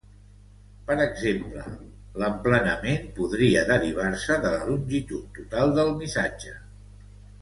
Per exemple, l'emplenament podria derivar-se de la longitud total del missatge.